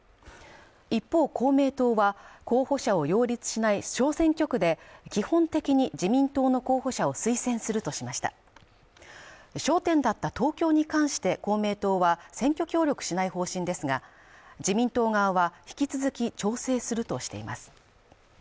一方、公明党は候補者を擁立しない小選挙区で、基本的に自民党の候補者を推薦するとしました焦点だった東京に関して、公明党は選挙協力しない方針ですが、自民党側は引き続き調整するとしています。